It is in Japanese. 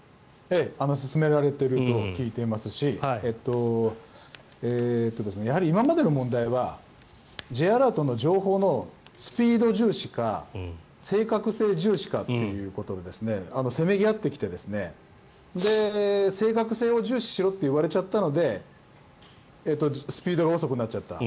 進められていると聞いていますしやはり今までの問題はＪアラートの情報のスピード重視か正確性重視かっていうことでせめぎ合ってきて正確性を重視しろと言われちゃったのでスピードが遅くなっちゃった。